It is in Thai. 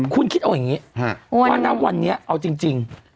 คุณคิดเอาอย่างนี้ว่าณวันนี้เอาจริง